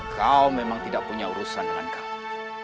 kau memang tidak punya urusan dengan kami